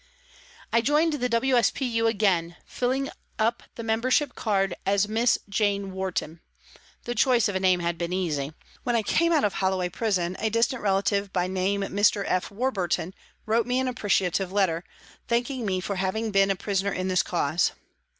I joined the W.S.P.U. again, filling up the membership card as Miss Jane Warton. The choice of a name had been easy. When I came out of Holloway Prison, a distant relative, by name Mr. F. Warburton, wrote me an appreciative letter, thanking me for having been a prisoner in this cause.